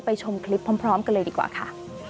ชมคลิปพร้อมกันเลยดีกว่าค่ะ